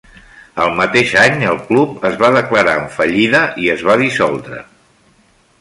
El mateix any el club es va declarar en fallida i es va dissoldre.